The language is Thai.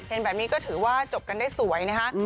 เห็นแบบนี้ก็ถือว่าจบกันได้สวยนะคะ